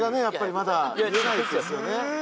やっぱりまだ癒えないですよね。